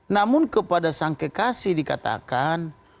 namun kepada sang kekasih dikatakan